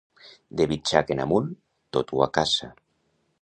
De bitxac en amunt, tot ho acaça.